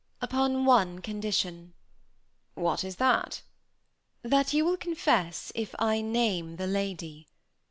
"Upon one condition." "What is that?" "That you will confess if I name the lady."